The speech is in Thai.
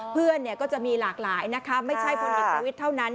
เพื่อนก็จะมีหลากหลายไม่ใช่คนอีกตระวิดเท่านั้น